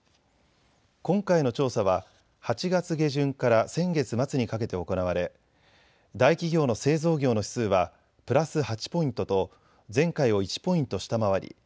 今回の調査は８月下旬から先月末にかけて行われ、大企業の製造業の指数はプラス８ポイントと前回を１ポイント下回り